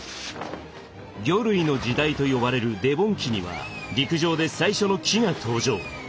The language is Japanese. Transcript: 魚類の時代と呼ばれるデボン紀には陸上で最初の木が登場。